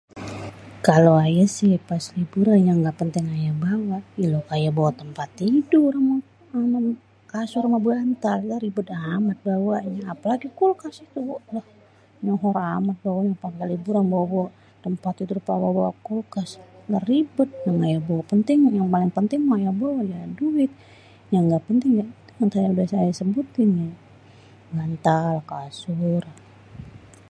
Kalo ayé si pas liburan yang ga penting ayé bawa lah ilok aye bawa tempat tidur, amé kasur ame bantal lah ribet amat bawanya. apelagi kulkas toh we nyohor amat liburan bawa-bawa tempat tidur ampe bawa-bawa kulkas lah ribet. yang penting mah aye bawa ya duit yang engga penting yang tadi aye sebutin bantal, kasur.